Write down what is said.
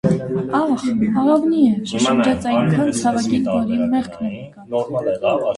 - Ա՛խ, աղավնի՜ է,- շշնջաց այնքան ցավագին, որ իմ մեղքն էլ եկավ: